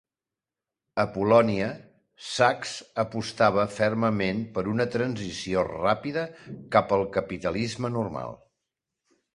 A Polònia, Sachs apostava fermament per una transició ràpida cap al capitalisme "normal".